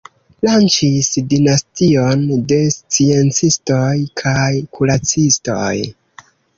Lanĉis dinastion de sciencistoj kaj kuracistoj.